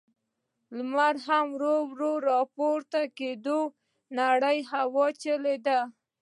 لمر هم ورو، ورو په راپورته کېدو و، نرۍ هوا چلېده.